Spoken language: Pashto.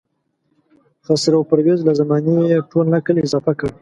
خسرو پرویز له زمانې ټول نکل اضافه کړ.